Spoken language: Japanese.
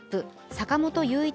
坂本雄一